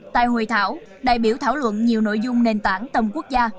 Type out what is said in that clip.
tại hội thảo đại biểu thảo luận nhiều nội dung nền tảng tầm quốc gia